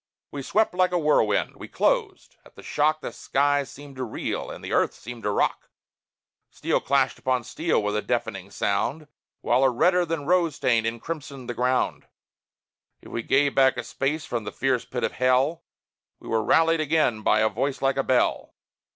We swept like a whirlwind; we closed; at the shock The sky seemed to reel and the earth seemed to rock; Steel clashed upon steel with a deafening sound, While a redder than rose stain encrimsoned the ground; If we gave back a space from the fierce pit of hell, We were rallied again by a voice like a bell.